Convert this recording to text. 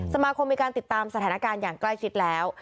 สมาคมมีการติดตามสถานการณ์อย่างใกล้ชิดแล้ว